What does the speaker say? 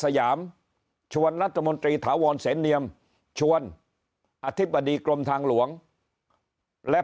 สยามชวนรัฐมนตรีถาวรเสนเนียมชวนอธิบดีกรมทางหลวงและ